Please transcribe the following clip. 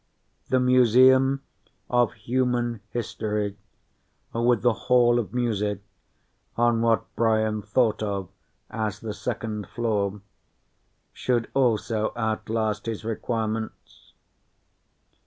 The Museum of Human History, with the Hall of Music on what Brian thought of as the second floor, should also outlast his requirements.